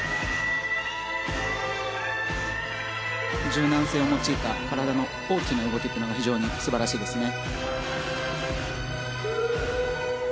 柔軟性を用いた体の大きな動きが非常に素晴らしいですね。